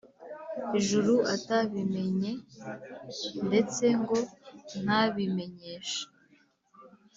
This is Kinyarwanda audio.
Ijuru atabimenye ndetse ngo ntabimenyeshe